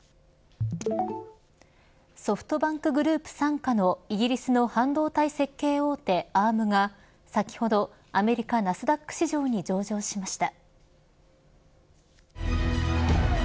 ソフトバンクグループ傘下のイギリスの半導体設計大手アームが先ほどアメリカナスダック市場に上場しました。